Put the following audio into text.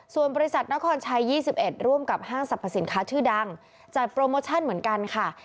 ส่วนบริษัทนครชัย๒๑ร่วมกับห้างสรรพสินค้าชื่อดังจัดโปรโมชั่นเหมือนกันค่ะ